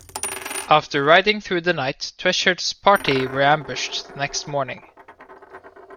After riding through the night, Trenchard's party were ambushed the next morning.